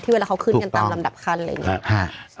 เวลาเขาขึ้นกันตามลำดับขั้นอะไรอย่างนี้